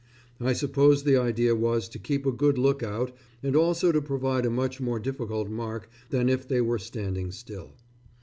I suppose the idea was to keep a good look out and also to provide a much more difficult mark than if they were standing still.